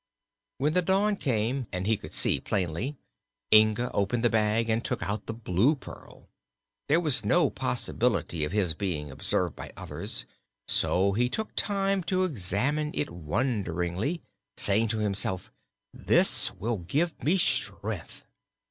When the dawn came and he could see plainly, Inga opened the bag and took out the Blue Pearl. There was no possibility of his being observed by others, so he took time to examine it wonderingly, saying to himself: "This will give me strength."